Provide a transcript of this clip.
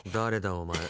お前。